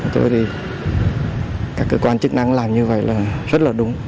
tôi thì các cơ quan chức năng làm như vậy là rất là đúng